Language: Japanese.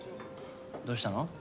どうしたの？